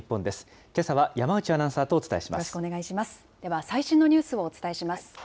では、最新のニュースをお伝えします。